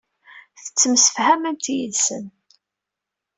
Tettemsefhamemt yid-sen.